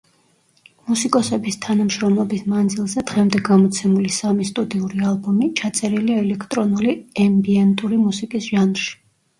მუსიკოსების თანამშრომლობის მანძილზე დღემდე გამოცემული სამი სტუდიური ალბომი, ჩაწერილი ელექტრონული ემბიენტური მუსიკის ჟანრში.